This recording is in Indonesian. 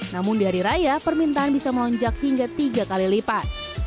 namun di hari raya permintaan bisa melonjak hingga tiga kali lipat